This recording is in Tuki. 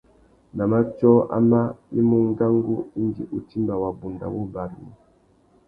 Nà matiō amá, i mú ngangu indi u timba wabunda wô barimú.